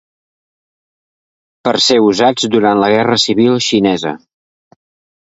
Per ser usats durant la Guerra civil xinesa.